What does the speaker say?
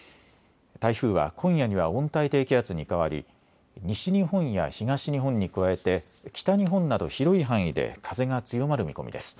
台風は今夜には温帯低気圧に変わり西日本や東日本に加えて北日本など広い範囲で風が強まる見込みです。